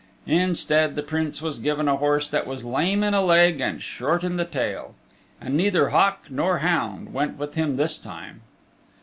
Instead the Prince was given a horse that was lame in a leg and short in the tail. And neither hawk nor hound went with him this time.